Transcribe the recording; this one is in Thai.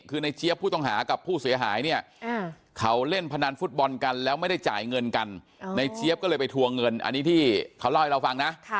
คือในเจี๊ยบผู้ต้องหากับผู้เสียหายเนี่ยเขาเล่นพนันฟุตบอลกันแล้วไม่ได้จ่ายเงินกันในเจี๊ยบก็เลยไปทวงเงินอันนี้ที่เขาเล่าให้เราฟังนะ